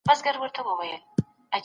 دښمن ته هم د انسان په سترګه وګورئ.